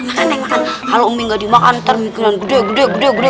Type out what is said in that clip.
makanya kalau nggak dimakan termikiran gede gede gede gede